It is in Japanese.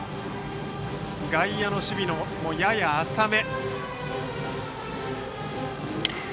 外野守備はやや浅め。